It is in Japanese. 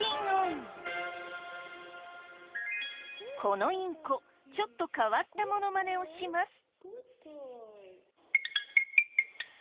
このインコちょっと変わったモノマネをします。